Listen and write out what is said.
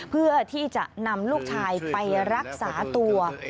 เพื่อที่จะนำลูกชายไปรักษาตัว